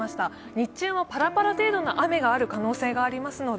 日中もパラパラ程度の雨がある可能性がありますので